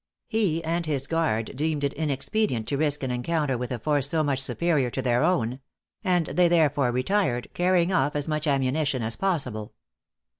He and his guard deemed it inexpedient to risk an encounter with a force so much superior to their own; and they therefore retired, carrying off as much ammunition as possible.